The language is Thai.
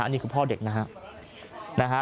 นี่คือพ่อเด็กนะฮะ